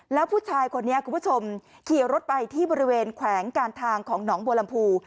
แล้วผู้ชายคนนี้คุณผู้ชมขี่รถไปที่บริเวณแขวงการทางของหนองบัวลำพู